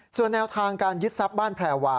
ส่วนแนวทางการยึดทรัพย์บ้านแพรวา